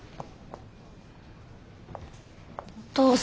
お父さん。